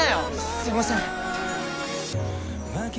すいません。